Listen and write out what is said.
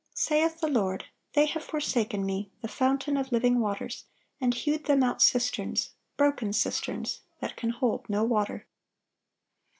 Saith the Lord, "They have forsaken Me the fountain of living waters, and hewed them out cisterns, broken cisterns, that can hold no water."